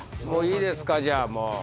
もういいですかじゃあもう。